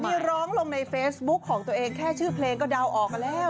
มีร้องลงในเฟซบุ๊คของตัวเองแค่ชื่อเพลงก็เดาออกมาแล้ว